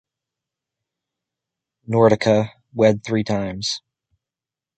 Nordica wed three times.